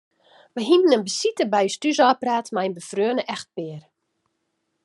Wy hiene in besite by ús thús ôfpraat mei in befreone echtpear.